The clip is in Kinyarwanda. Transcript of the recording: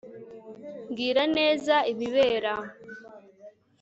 Mbwira neza ibibera